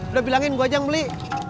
udah bilangin gue aja yang beli